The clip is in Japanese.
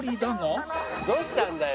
どうしたんだよ。